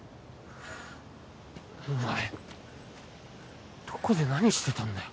お前どこで何してたんだよ？